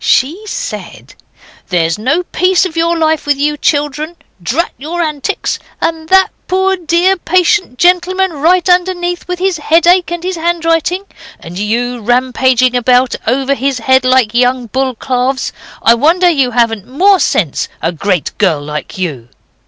She said 'There's no peace of your life with you children. Drat your antics! And that poor, dear, patient gentleman right underneath, with his headache and his handwriting: and you rampaging about over his head like young bull calves. I wonder you haven't more sense, a great girl like you.